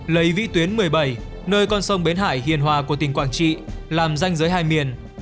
lấy vĩ tuyến một mươi bảy nơi con sông bến hải hiền hòa của tỉnh quảng trị làm danh giới hai miền